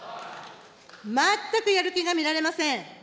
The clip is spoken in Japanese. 全くやる気が見られません。